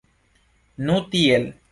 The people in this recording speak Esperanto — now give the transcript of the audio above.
Nu tiel!